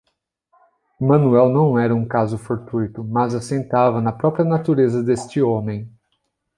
Manoel não era um caso fortuito, mas assentava na própria natureza deste homem.